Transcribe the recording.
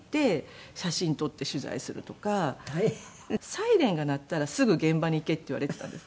サイレンが鳴ったらすぐ現場に行けって言われていたんです。